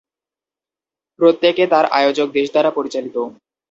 প্রত্যেকে তার আয়োজক দেশ দ্বারা পরিচালিত।